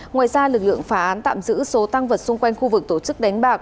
ngoài ra lực lượng phá án tạm giữ số tăng vật xung quanh khu vực tổ chức đánh bạc